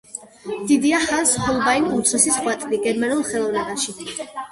დიდია ჰანს ჰოლბაინ უმცროსის ღვაწლი გერმანულ ხელოვნებაში.